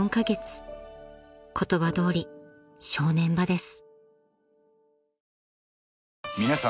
［言葉どおり正念場です］